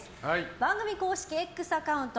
番組公式Ｘアカウント